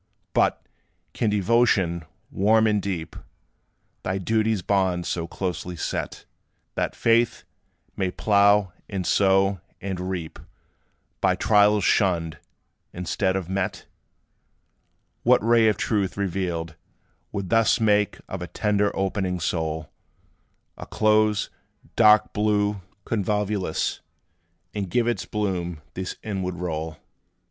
But, can devotion, warm and deep, Thy duty's bounds so closely set, That faith may plough, and sow, and reap By trials shunned, instead of met? What ray of truth, revealed, would thus Make of a tender opening soul A close, dark blue convolvulus, And give its bloom this inward roll?